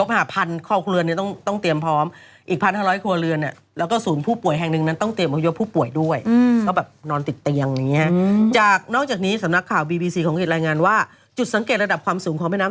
หรือสิฟานอัลมาปองเดอร์อัลมา